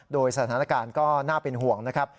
โดยสถานการณ์ก็น่าเป็นห่วงนะครับ